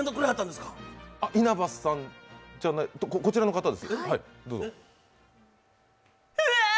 あ、稲葉さんじゃない、こちらの方です。